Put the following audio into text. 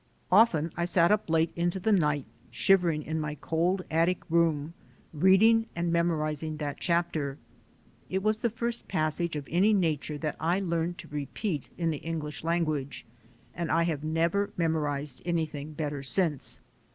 Often I sat up late into the night, shivering in my cold attic room, reading and memorizing that chapter. It was the first passage of any nature that I learned to repeat in the English language, and I have never memorized anything better since.